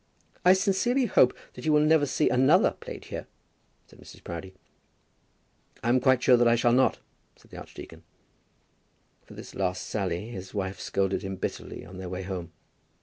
"I sincerely hope that you will never see another played here," said Mrs. Proudie. "I'm quite sure that I shall not," said the archdeacon. For this last sally his wife scolded him bitterly on their way home.